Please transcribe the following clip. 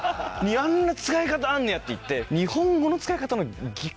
「あんな使い方あんねや」って言って。